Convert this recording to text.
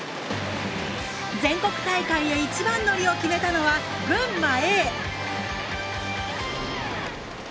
全国大会へ一番乗りを決めたのは群馬Ａ！